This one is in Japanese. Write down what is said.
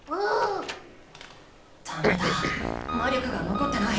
だめだ魔力が残ってない。